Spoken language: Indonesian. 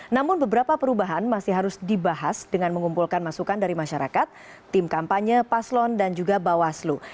namun beberapa perubahan masih harus dibahas dengan mengumpulkan masukan dari masyarakat tim kampanye paslon dan juga bawaslu